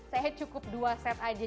saya cukup dua set aja